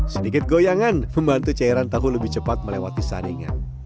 sedikit goyangan membantu cairan tahu lebih cepat melewati saningan